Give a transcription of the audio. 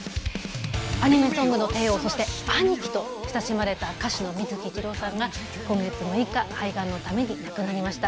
アニメソングの帝王そしてアニキと親しまれた歌手の水木一郎さんが今月６日肺がんのため亡くなりました。